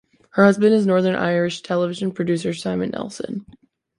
Her husband is Northern Irish television producer Simon Nelson.